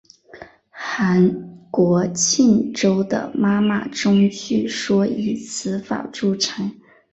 韩国庆州的妈妈钟据说以此法铸成。